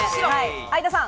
相田さん。